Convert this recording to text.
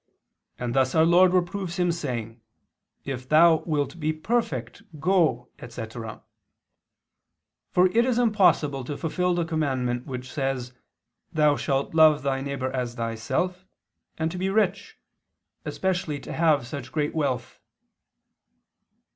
And thus our Lord reproves him saying: If thou wilt be perfect, go, etc. For it is impossible to fulfil the commandment which says, Thou shalt love thy neighbor as thyself, and to be rich, especially to have such great wealth."